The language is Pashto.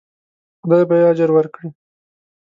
خدای به یې اجر ورکړي.